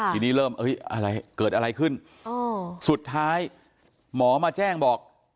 ทีนี้เริ่มอะไรเกิดอะไรขึ้นสุดท้ายหมอมาแจ้งบอก